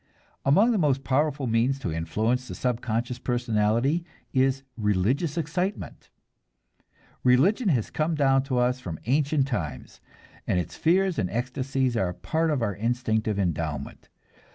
Among the most powerful means to influence the subconscious personality is religious excitement. Religion has come down to us from ancient times, and its fears and ecstasies are a part of our instinctive endowment.